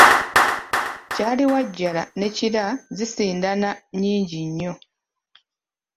Kyaliwajjala ne kira zisindana nnyingi nnyo.